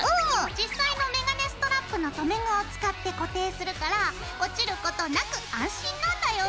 実際のメガネストラップの留め具を使って固定するから落ちることなく安心なんだよ。